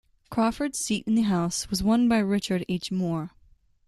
Crawford's seat in the House was won by Richard H. Moore.